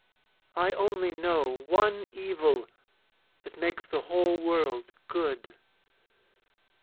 I only know one evil that makes the whole world good.